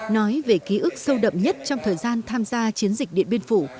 nói về ký ức sâu đậm nhất trong thời gian tham gia chiến dịch điện biên phủ